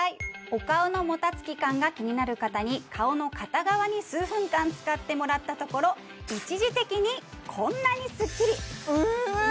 お顔のもたつき感が気になる方に顔の片側に数分間使ってもらったところ一時的にこんなにスッキリえっ！